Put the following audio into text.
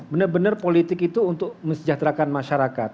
benar benar politik itu untuk mesejahterakan masyarakat